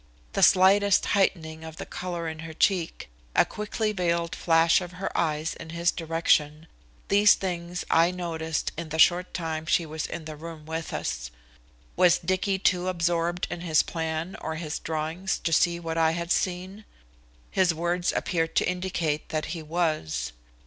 The slightest heightening of the color in her cheek, a quickly veiled flash of her eyes in his direction these things I noticed in the short time she was in the room with us. Was Dicky too absorbed in his plan or his drawings to see what I had seen? His words appeared to indicate that he was.